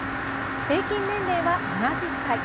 平均年齢は７０歳。